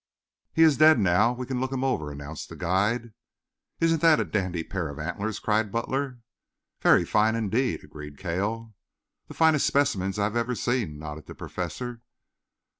"He is dead now. We can look him over," announced the guide. "Isn't that a dandy pair of antlers?" cried Butler. "Very fine indeed," agreed Cale. "The finest specimens I have ever seen," nodded the Professor.